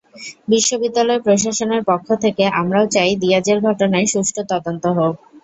বিশ্ববিদ্যালয় প্রশাসনের পক্ষ থেকে আমরাও চাই, দিয়াজের ঘটনায় সুষ্ঠু তদন্ত হোক।